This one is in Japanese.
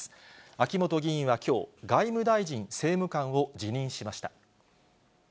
秋本議員はきょう、外務大臣政務官を辞任しました。